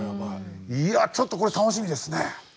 いやちょっとこれ楽しみですね。